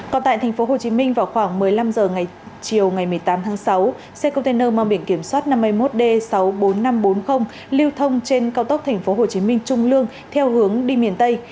còn tại tp hcm vào khoảng một mươi năm h ngày chiều ngày một mươi tám tháng sáu xe container mang biển kiểm soát năm mươi một d sáu mươi bốn nghìn năm trăm bốn mươi lưu thông trên cao tốc tp hcm trung lương theo hướng đi miền tây